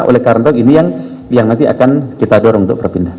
oleh karena ini yang nanti akan kita dorong untuk berpindah